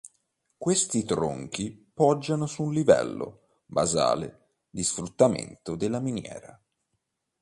Questi tronchi poggiano sul livello basale di sfruttamento della miniera.